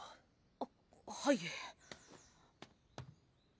あっはい。